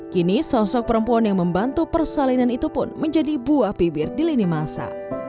kini sosok perempuan yang membantu persalinan itu pun menjadi buah bibir di lini masa